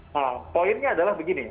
nah poinnya adalah begini